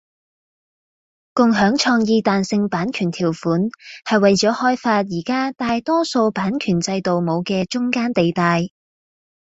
共享創意彈性版權條款係為咗開發而家大多數版權制度冇嘅中間地帶